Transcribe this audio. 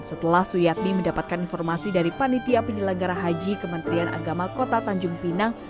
setelah suyatmi mendapatkan informasi dari panitia penyelenggara haji kementerian agama kota tanjung pinang